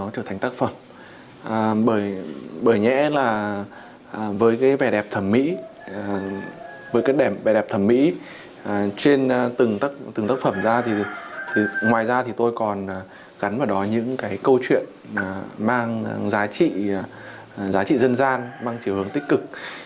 các mẫu tượng gắn vào đó những câu chuyện mang giá trị dân gian mang chiều hướng tích cực